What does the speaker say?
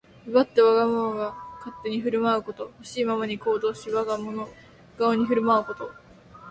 威張ってわがまま勝手に振る舞うこと。ほしいままに行動し、我が物顔に振る舞うこと。